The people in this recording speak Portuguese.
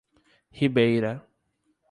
Ribeira